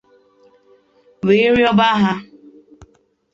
wee rịọba ha